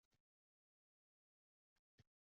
Akasi ham bir narsani bilsa kerak-da, o‘zi harakat qilyapti